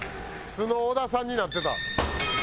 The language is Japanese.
素の小田さんになってた。